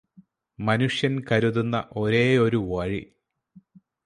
മനുഷ്യന് കരുതുന്ന ഒരേയൊരു വഴി